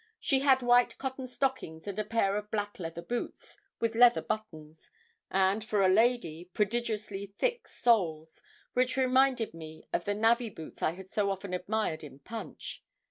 She had white cotton stockings, and a pair of black leather boots, with leather buttons, and, for a lady, prodigiously thick soles, which reminded me of the navvy boots I had so often admired in Punch.